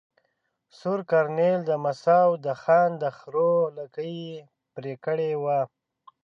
سور کرنېل د مساو د خان د خرو لکې ېې پرې کړي وه.